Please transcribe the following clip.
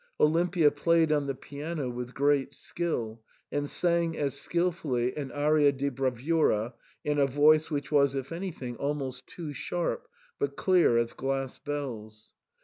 Olimpia played on the piano with great skill ; and sang as skilfully an aria di bravura^ in a voice which was, if anything, almost too sharp, but clear as glass bells.